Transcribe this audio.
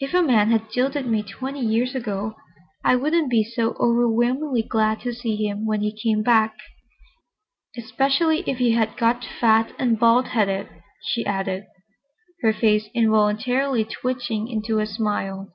"If a man had jilted me twenty years ago, I wouldn't be so overwhelmingly glad to see him when he came back—especially if he had got fat and bald headed," she added, her face involuntarily twitching into a smile.